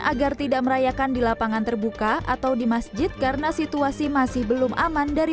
agar tidak merayakan di lapangan terbuka atau di masjid karena situasi masih belum aman dari